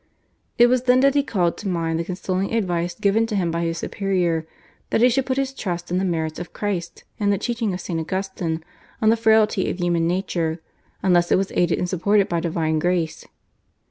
It was then that he called to mind the consoling advice given to him by his superior that he should put his trust in the merits of Christ, and the teaching of St. Augustine on the frailty of human nature unless it was aided and supported by divine Grace.